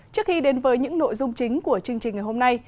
trước khi đến với những nội dung chính của chương trình ngày hôm nay